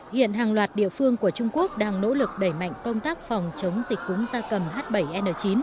hiện hàng loạt địa phương của trung quốc đang nỗ lực đẩy mạnh công tác phòng chống dịch cúng gia cầm h bảy n chín